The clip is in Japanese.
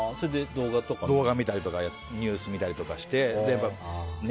動画見たりとかニュース見たりとかして。